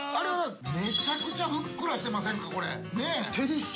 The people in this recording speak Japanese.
めちゃくちゃふっくらしてませんか、これ。